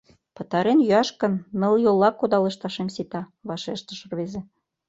Пытарен йӱаш гын, нылйола кудалышташем сита, — вашештыш рвезе.